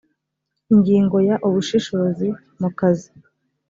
ingingo ya ubushishozi mu kazi